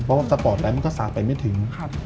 เพราะว่าสปอร์ตไลท์มันก็สาดไปไม่ถึง